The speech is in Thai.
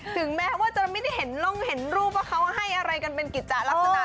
ถึงแม้ว่าจะไม่ได้เห็นลงเห็นรูปว่าเขาให้อะไรกันเป็นกิจจะลักษณะ